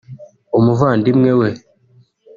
umuvandimwe we